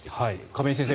亀井先生